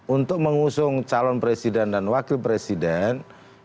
untuk mengusung calon presiden dan wakil presiden